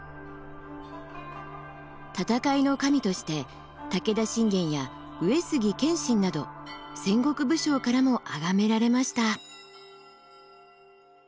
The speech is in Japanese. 戦いの神として武田信玄や上杉謙信など戦国武将からもあがめられました。